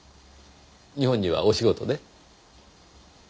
日本にはお仕事で？